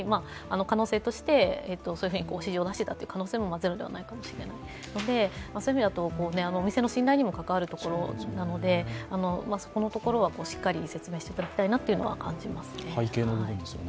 可能性としてそういうふうに指示を出していたという可能性もゼロではないかもしれないのでお店の信頼にも関わるところなので、そこのところはしっかり説明していただきたいなと思います。